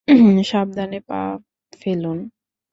সাবধানে পা ফলুন।